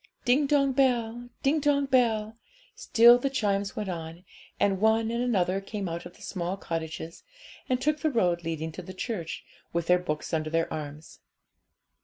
Ding dong bell, ding dong bell; still the chimes went on, and one and another came out of the small cottages, and took the road leading to the church, with their books under their arms.